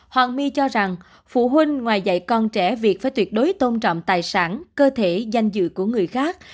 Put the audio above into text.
hoàng my cho rằng phụ huynh ngoài dạy con trẻ việt phải tuyệt đối tôn trọng tài sản cơ thể danh dự của người khác